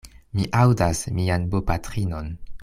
Mi aŭdas mian bopatrinon.